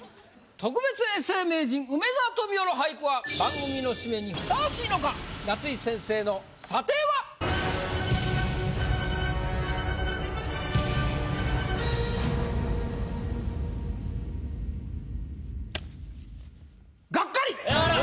特別永世名人梅沢富美男の俳句は番組の締めにふさわしいのか⁉夏井先生の査定は⁉ガッカリ。